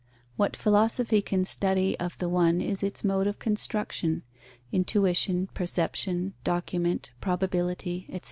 What philosophy can study of the one is its mode of construction (intuition, perception, document, probability, etc.)